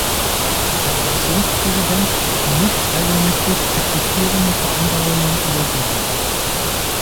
Der Kommissionspräsident kann nicht eigenmächtig existierende Vereinbarungen übergehen.